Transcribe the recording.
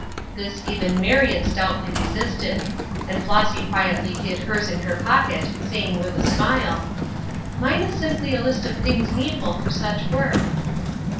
This even Marion stoutly resisted. And Flossy quietly hid hers in her pocket, saying with a smile: "Mine is simply a list of things needful for such work."